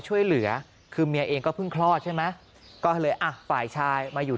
ช่วยเหลือคือเมียเองก็เพิ่งคลอดใช่ไหมก็เลยอ่ะฝ่ายชายมาอยู่